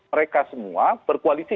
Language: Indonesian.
mereka semua berkoalisi